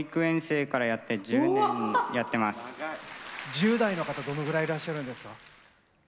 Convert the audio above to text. １０代の方どのぐらいいらっしゃるんですか？